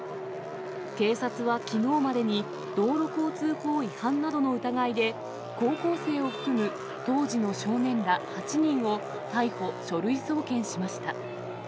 警察はきのうまでに道路交通法違反などの疑いで、高校生を含む当時の少年ら８人を逮捕・書類送検しました。